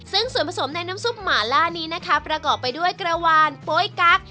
ซึ่งส่วนผสมในน้ำซุปหมาล่านี้นะคะประกอบไปด้วยกระวานโป๊ยกั๊ก